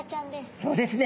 そうですね